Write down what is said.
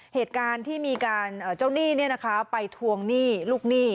เหตุการณ์ที่มีการเจ้าหนี้ไปทวงหนี้ลูกหนี้